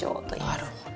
なるほど。